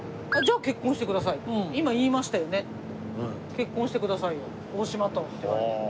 「結婚してくださいよ大島と」って。